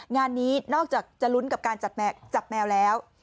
งานนี้นอกจากจะลุ้นกับการจับแมวแล้ว